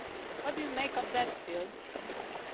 What do you make of that, Phil?